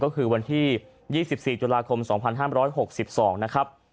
ก็คือวันที่๒๔ตุลาคม๒๕๖๒นะครับ